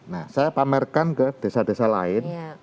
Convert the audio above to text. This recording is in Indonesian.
nah saya pamerkan ke desa desa lain